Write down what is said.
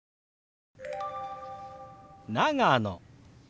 「長野」。